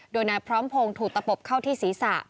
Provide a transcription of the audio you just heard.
โดยนายพร้อมพงศ์ถูกตะปบเข้าที่ศีรษะ